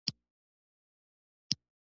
آیا د ایران ځوانان تحصیل کړي نه دي؟